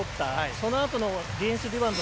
そのあとディフェンスリバウンド